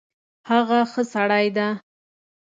هغه ښه سړی ده